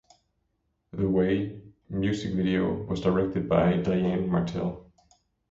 "The Way" music video was directed by Diane Martel.